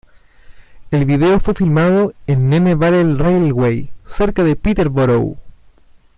El video fue filmado en Nene Valley Railway cerca de Peterborough.